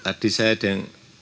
tadi saya ada yang